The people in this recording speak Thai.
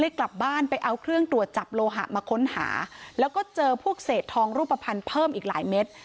กลับบ้านไปเอาเครื่องตรวจจับโลหะมาค้นหาแล้วก็เจอพวกเศษทองรูปภัณฑ์เพิ่มอีกหลายเม็ด